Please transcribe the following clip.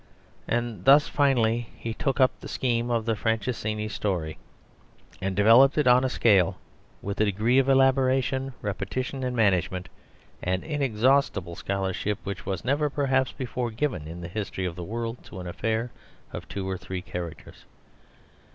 And thus finally he took up the scheme of the Franceschini story, and developed it on a scale with a degree of elaboration, repetition, and management, and inexhaustible scholarship which was never perhaps before given in the history of the world to an affair of two or three characters.